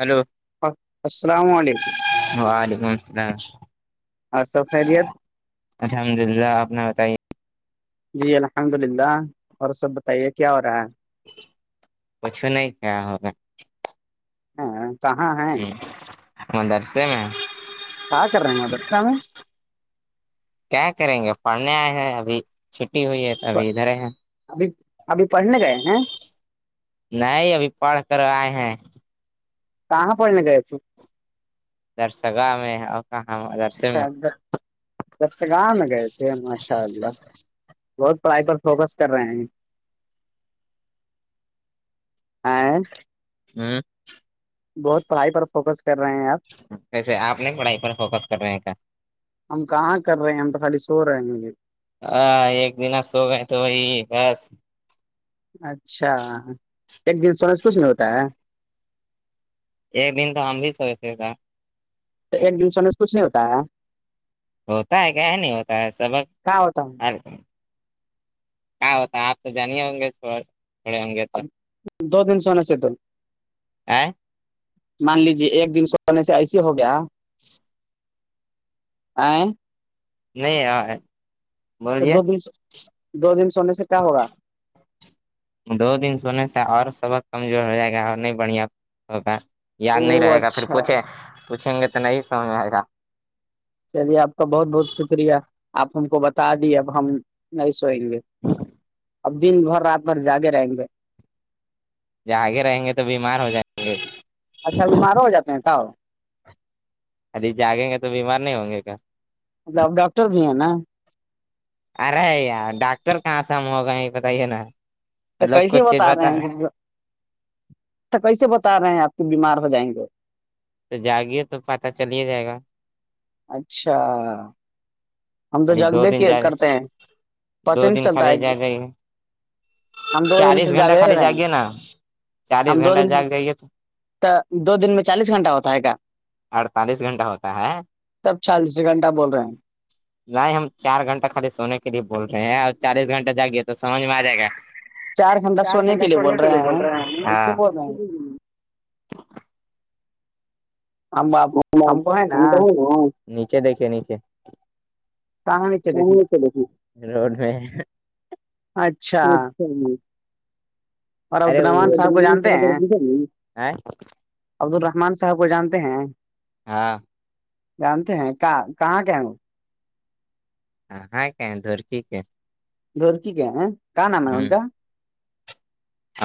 Hello السلام علیکم وعلیکم السلام اور سف خیریت الحمد للہ آپنا بتائیے جی الحمد للہ اور سب بتائیے کیا ہو رہا ہے کچھو نہیں کیا ہوگا ہاں ہ مدرسے میں ہ کر رہنے مر سوامی کیا کریں گے پڑھنے آئے ہیں ابھی چھٹی ہوئی ہے ابھی ادھر ہیں ابھی ابھی پڑھنے گئے ہیں نہیں ابھی پڑھ کر آئے ہیں کہاں پڑ لے گئے اچے [unintelligible] درسگا میں اور کہاں میں اچھا گم گئے تھ ماشاء اللہ بہت پڑھائی پر فوکس کر رہے ہیں ہاں ہوں [unintelligible] بہت پڑھائی پر فوکس کر رہے ہیں آپ ویسے آپ نہیں پڑھائی پر فوکس کر رہے ہیں کیا ہم کہاں کر رہے ہیں ہم تو خالی سو رہے ہیں مجھے ہاں ایک دن سو گئے تو وہی بس اچھا ایک دن سونے سے کچھ نہیں ہوتا ہے ایک دن تو ہم بھی س ہو تھا تو ایک دن سے اننے سے کچھ نہیں ہوتا ہے ہوتا ہے کیا ہے نہیں ہوتا ہے سبق کہاں ہوتا ہ ہے [unintelligible] کیا ہوتا ہے آپ تو جانے ہوں گے س ب دو دن سونا سے د [unintelligible] مان لیجے ایک دن سونے سے ایسے ہو گیا [inaudible] آئیں [inaudible] نہیں آاں [unintelligible] دو دن دو دن سونے سے کیا ہوگا دو دن سونے سے اور سبق کمزور ہو جائے گا اور نہیں بڑھیا ہوگا یاد نہیں او رہے گا پھر اچھا پوچھے پوچھیں گے تو نہیں سمجھ آئے گا یعنی اپ کا بہت بہت شکریہ اپ ان کو بتا دیا اب ہم نہیں سوئیں گے اب دن بھر رات بھر جاگے رہیں گے ج آگے رہیں گے تو بیمار ہو جائے گے اچھا بیمار ہو جاتے ہیں تؤ ابھی جاگیں گے تو بیمار نہیں ہوں گے گا مطلب اب ڈاکٹر بھی ہیں نا ارے یار ڈاکٹر کہاں سے ہم ہوگئے یہ بتائیے نا تو مطلب کیسے کچھ چیز بتا رہے ہیں تو کیسے بتا رہے ہیں آپ کے بیمار ہو جائیں گے تو جاگیے تو پتا چل ہی جائے گا [unintelligible] اچھا ہم تو خالی دو جگبے دن جا کرتے ہیں دو پتہ نہیں دن چلتا خالی ہے جا کہ جائے گے ہم دو دن چالیس سے گھنٹہ خالی رہے ہیں جاگے نا چالیس گھنٹہ جا کے جائیے تو تو دو دن میں چالیس گھنٹہ ہوتا ہے کیا اڑتالیس گھنٹہ ہوتا ہے تب چالیس گھنٹہ بول رہے ہیں [unintelligible] نہیں ہم چار گھنٹہ خالی سونے کے لیے بول رہے ہیں اور چالیس گھنٹہ جاگیے تو سمجھ میں آ جائے گا چار گھنٹہ سھوڑنے کے لیے بول رہے ہیں ہم آپ ہم کو ہے نا نیچے دیکھے نیچے کہاں نیچے دیکھیں وہ چلے روڈ میں [unintelligible] اچھا جی [inaudible] اور عبد ارے الرحمان صاحب کو جانتے عبدالرحمان صاحب کو جانتے ہیں [unintelligible] ہاں جانتے ہیں کہ کہاں کیا ہیں وہ ہاں ہےاں کیا دور کی کے درکی کے ہیں کہاں نام ہے ان کا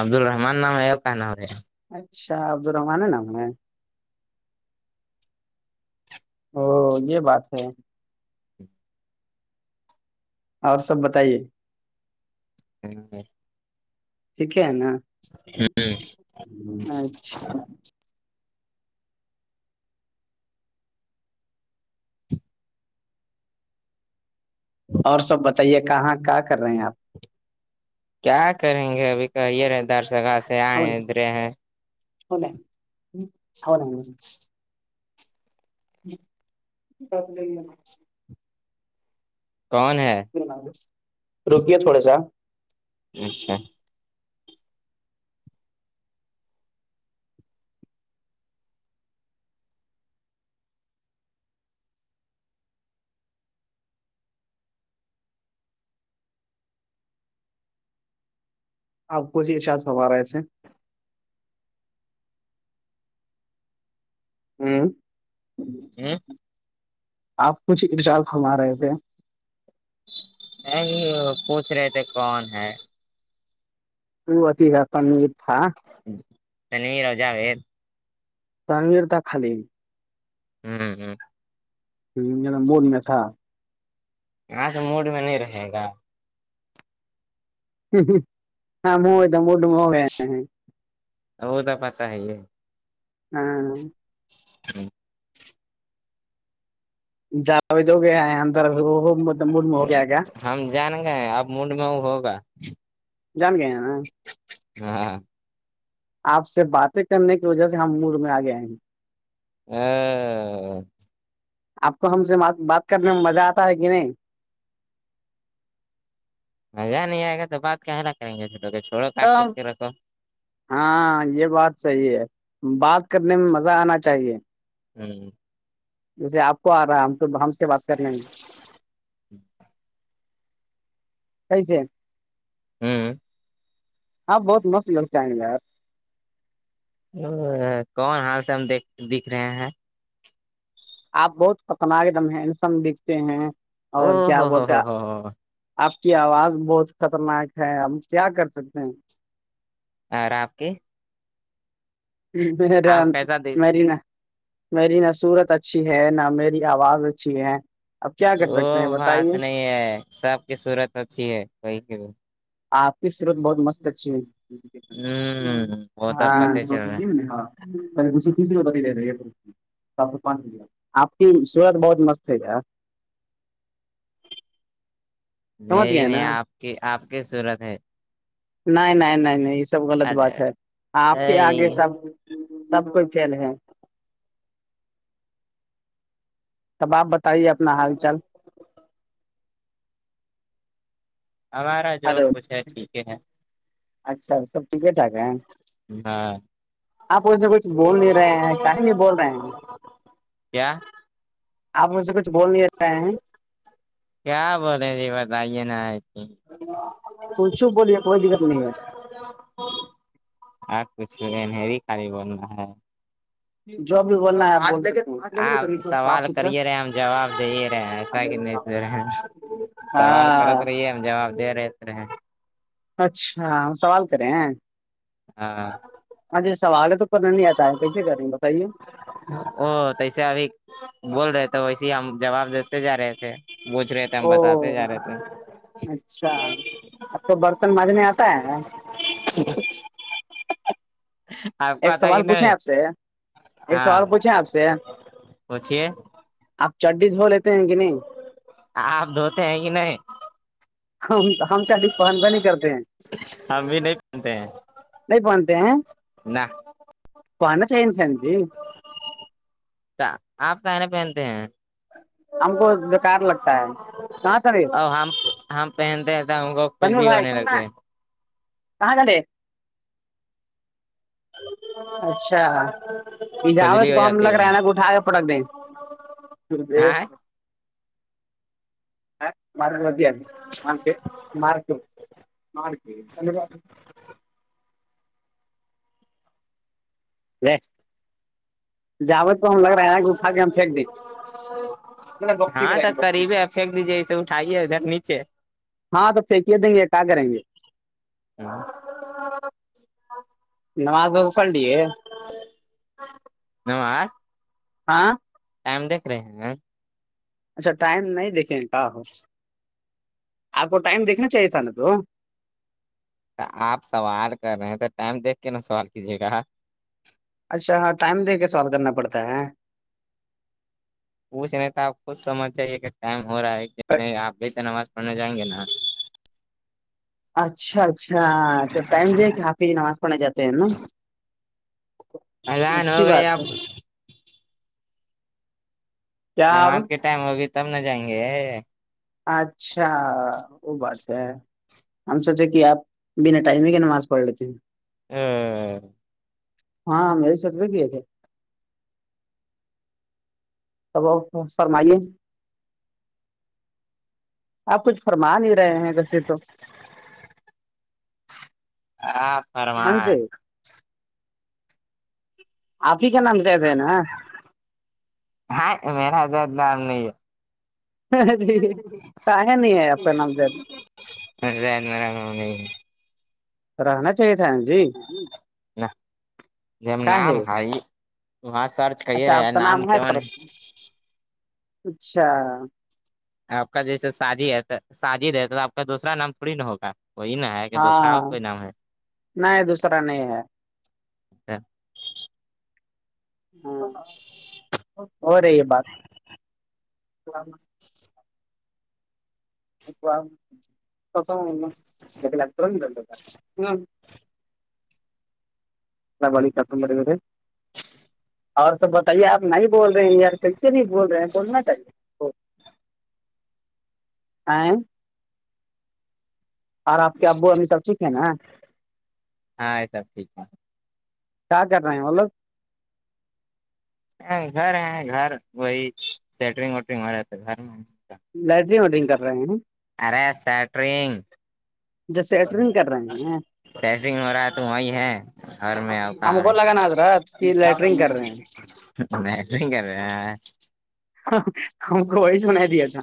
عبدالرحمان نام ہے اور کیا نام ہےا اچھا عبد الرحمن ہے نام ہے او یہ بات ہے اور سب بتائیے ہوں ٹھیک ہے نا اچھا اور سب بتائیے کہاں کیا کر رہے ہیں آپ کیا کریں گے ابھی کہیے رہے دار سگا سے آئے ہیں ادھرے ہیں اولےنا بسلا کون ہے روکیے تھوڑا سا اچھا آپ کو ج اشاج ہوارا ایسے ہوں آپ کچھ ارجاف ہمما رہے تھے نہیں پوچھ رہے تھے کون ہے وہ اتی تھا کیر تھا تنویر اور جاوید پرگیر د خالی ہوں مول میں تھا ہاں تو موڑ میں نہیں رہے گا ہاں مئے تو موٹ م ہودا پت ہے ہاں ہاں جاوج ہو گے ہے ا وہ م مڈ میں ہو گیا گ ہم جان گئے اب موڈ میں وہ ہوگا جان گئے ہیں نا ہاں آپ سے باتیں کرنے کی وجہ سے ہم مور میں آگئے آئے ہیں [unintelligible] آپ کو ہم سےات بات کرنے میں مزہ آتا ہے کہ نہیں مزہ نہیں آئے گا تو بات کہنا کریں گے چھو چوڑو کاٹ تب کرتے رکھو ہاں یہ بات صحیح ہے بات کرنے میں مزہ آنا چاہیے ہوں جیسے آپ کو آ رہا ہے ہم تو ہم سے بات کر لیں گے کیسے ہوں ہاں بہت مست لگ چاہیں گےیپ کون حال سے ہم دیکھ دکھ رہے ہیں آپ بہت خطرناک ایک دم ہےسن دکھتے ہیں اور کیا ہو کیا آپ کی آواز بہت خطرناک ہے ہم کیا کر سکتے ہیں اور آپ کے رام آپ کیسا د مرینا میری نہ صورت اچھی ہے نہ میری آواز اچھی ہے اب کیا کر سکتے ہیں بتائیے ساب کی صورت اچھی ہے وہی سے بھی آپ کی سرت بہت مست اچھی ہےاں وہ تو پتہ ا چل رہا ہے اسھے تیسری بتا نہیں رہے بانچ آپ کی سورت بہت مست ہے یار سمجھ میری گئے نہیں نا آپ کی آپ کی صورت ہے نہیں نہیں نہیں نہیں یہ سب غلط بات ہے آپ کے آگے سب سب کوئی فیل ہے تب آپ بتائیے اپنا حال چال ہمارا جو ہلو کچھ ہے ٹھیک ہے ہے اچھا سب ٹھیکے ٹھاک ہیں ہاں آپ اس سے کچھ بول نہیں رہے ہیں کہیں نہیں بول رہے ہیں کیا آپ مج سے کچھ بول نہیں رہے ہیں کیا بول رہے جی بتائیے نا ہےئے ت ت چو بولیے کوئی دقت نہیں ہے [unintelligible] آ کچھ کرری خالی بولنا ہے جو بھی بولنا ہے آپ آپ بول۔ صاف سوال ستھرا کرے رہے ہم جواب دے رہے ایسا کہ نہیں رہے سوال کرت ہاں رہیے ہم جواب دے رہے رہے اچھا ہم سوال کرے ہیں ہاں اھے سوال تو کرنا نہیں آتا ہے کیسے کر رہے بتائیے او تو ایسے ابھی بول رہے تھے ویسے ہی ہم جواب دیتے جا رہے تھے بوچھ رہے تھے ہم او بتات جا رہے تھ اچھا اب تو برتن مج نہیں آتا ہے ج [unintelligible] ایک سوال پوچھے آپ سے ایک سوال ہاں پوچھے آپ سے پوچھیے آپ چڈی دھو لیتے ہیں کہ نہیں آپ دھوتے ہیں کہ نہیں ہم ہم چی پسندگ نہیں کرتے ہیں ہم بھی نہیں پہنتے ہیں نہیں پنتے ہیں نہ پن چئیچی آپ کان پہنتے ہیں ہم کو بےکار لگتا ہے کہاں ترے اور ہم ہم پہنتے ہیں تھ ہم کو کل تنور بھی بھائی ہونے سننا لگے کہاں جے اچھا اجاوت کھجلی ہو کو ہم جاتی لگ رہا ہے نا کہ اٹا کے پٹک دیں ہاں [unintelligible] ارک ب مارکارکالک داد و جاوت کو ہم لگ رہا ہے نا کہ اٹھا کے ہم پھینک دیں [unintelligible] ہاں تو قریب ہے پھینک دیجیے اسسے اٹھائیے ادھر نیچے ہاں تو پھینکے دیں گے کیا کریں گے ہ [unintelligible] نماز و پڑ لیے نماز ہاں ٹائم دیکھ رہے ہیں اچھا ٹائم نہیں دیکھیں کہ ہو [unintelligible] آپ کو ٹائم دیکھنا چاہیے تھا نا تو آپ سوال کر رہے ہیں تو ٹائم دیکھ کے نا سوال کیجیے گا اچھا ہاں ٹائم دے کے سوال کرنا پڑتا ہے اس نہیں تو آپ خود سمجھ جائیے کہ ٹائم ہو رہا ہے آپ ب تو نماز پڑھنے جائیں گے نا اچھا اچھا تو ٹائم د ہے کہ حپی نماز پڑھنے جاتے ہیں نا ایضان ہو اچھی گئے بات اب ہے کیا آپ جماعت کے ٹائم ہوگی تب نہ جائیں گے اچھا وہ بات ہے ہم سوچے کہ آپ بنا ٹائم میں کے نماز پڑھ لیتے ہیں ہ ہاں میرے سرٹرفک بھیئے تھے توب فرمائیے آپ کچھ فرما نہیں رہے ہیں ویسے تو ہاں ہاں جی آپ ہی کیا نام سے تھ ہیں نا ہاں میریرد نام نہیں ہے م کااہ نہیں ہے آپ کا نام ج زید م نہیں رہنا چاہیے تھا نا جی ج نام ہے وہاں سر اچھا آپ کا نام ہے پرسن اچھا آپ کا جیسے ساجد ہے ساجد ہے تو آپ کا دوسرا نام تھوڑی نا ہوگا وہی نا ہے کہ دوسرا اور ہاں کوئی نام ہے نہیں دوسرا نہیں ہے ہاں ہو رہی یہ بات ایکس د لگ ہ اللام علیکم اور سب بتائیے آپ نہیں بول رہے ہیں یار پسے نہیں بول رہے ہیں سننا چاہیے آ اور آپ کے ابو امی سب ٹھیک ہے نا ہاں یہ سب ٹھیک کیا کر رہے ہیں مطلب گھر ہیں گھر وہی سیٹرنگ وٹرنگ ہو رہا گھر میں لائٹری وٹرنگ کر رہے ہیں ارے سٹرینگ جیسے لیٹرنگ کر رہے ہیں سیٹنگ ہو رہا ہے تو وہی ہے گھر میں اور ہم کو لگا نا حضرت کہ لیٹرنگ کر رہے ہیں کہ نہیں نہیں کر رہے ہ ہم کوئی سناائی دیا تھا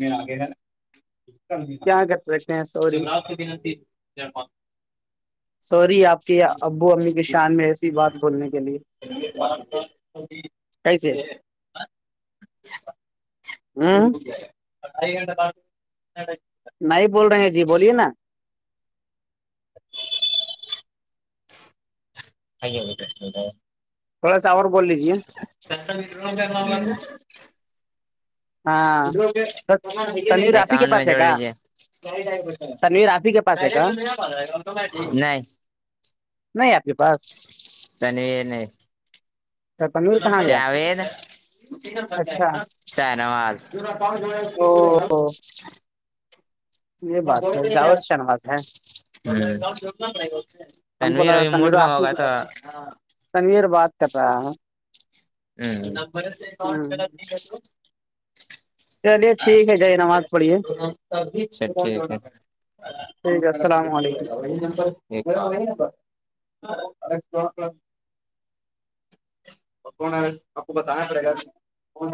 م آ گ ہےا کیا کر سکتے ہیں سوری جملہات کب بھی ج سوری آپ کے ابو امی کی شان میں ایسی بات بولنے کے لیے ار کیسے یہ ہ ب نہیں بول رہے ہیں جی بولیے نا آ ہو تھوڑا ساوور بولجیے کسا مٹ رہ گ ب م ہاں تنویر آپ ہی کے اکاؤنٹ میں پاس ہے جوڑ کا لیجے تنویر آپ ہی کے پاس ہے کا نہیں نہیں آپ کے پاس تنویر کہاں ج گیا وید اچھا دن واد تو یہ بات ہے جاوید شنواز ہے ہم تنویر اب موڈ میں ہوگا تھا تنیر بات کر رہا ہے ہ ہ چلیے ٹھیک ہے جی نماز پڑھیے اچابھ ٹھیک ہے السلام علیکم ا ن کون آ رہ آپ کو بتانا پڑے گا کون